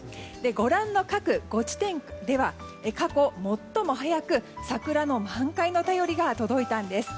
ご覧の各５地点では過去最も早く桜の満開の便りが届いたんです。